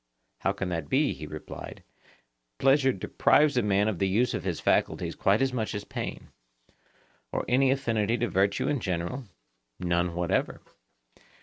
How can that be? he replied; pleasure deprives a man of the use of his faculties quite as much as pain. Or any affinity to virtue in general? None whatever.